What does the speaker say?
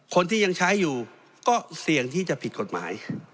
คนที่ยังใช้อยู่ก็เสี่ยงที่จะผิดกฎหมาย